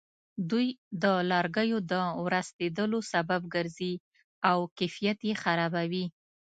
دوی د لرګیو د ورستېدلو سبب ګرځي او کیفیت یې خرابوي.